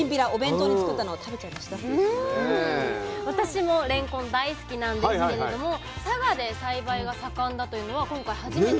私もれんこん大好きなんですけれども佐賀で栽培が盛んだというのは今回初めて知りました。